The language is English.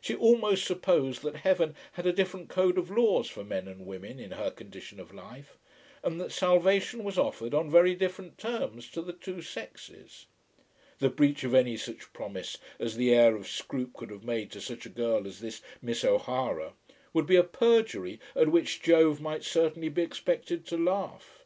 She almost supposed that heaven had a different code of laws for men and women in her condition of life, and that salvation was offered on very different terms to the two sexes. The breach of any such promise as the heir of Scroope could have made to such a girl as this Miss O'Hara would be a perjury at which Jove might certainly be expected to laugh.